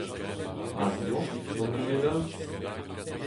Ha homañ, gant lunedoù ?